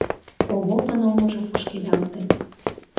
Овопын омыжо кушкедалте.